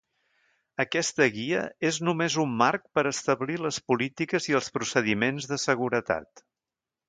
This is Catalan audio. Aquesta guia és només un marc per establir les polítiques i els procediments de seguretat.